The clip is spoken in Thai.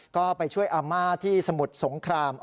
ก็ไปช่วยอาม่าที่สมุทรสงคราม